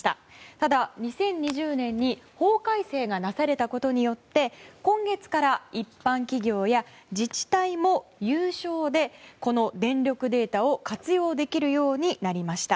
ただ、２０２０年に法改正がなされたことによって今月から一般企業や自治体も有償でこの電力データを活用できるようになりました。